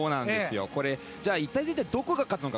じゃあ一体全体どこが勝つのか。